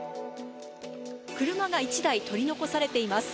車が１台取り残されています。